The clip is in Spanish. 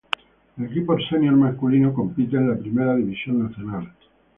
El equipo senior masculino compite en la Primera División Nacional.